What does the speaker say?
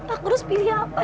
aku harus pilih apa